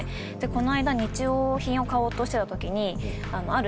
この間日用品を買おうとしてた時に。